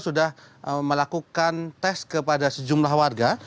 sudah melakukan tes kepada sejumlah warga